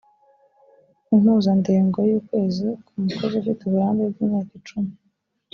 impuzandengo y’ukwezi ku mukozi ufite uburambe bw’imyaka icumi